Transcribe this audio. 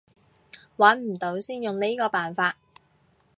揾唔到先用呢個辦法